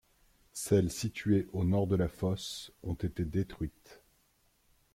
Celles situées au nord de la fosse ont été détruites.